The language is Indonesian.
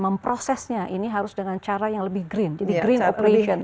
memprosesnya ini harus dengan cara yang lebih green jadi green operation